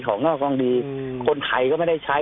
คนนอกง่ายคนไทยก็ไม่ได้ใช้